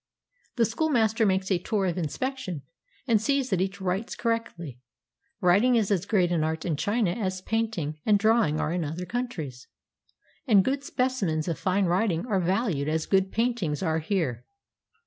The schoolmaster makes a tour of inspec tion and sees that each writes correctly; writing is as great an art in China as painting and drawing are in other countries, and good specimens of fine writing are valued as good paintings are here.